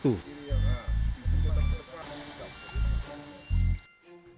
setelah penyeberangan para siswa harus mengembalikan barat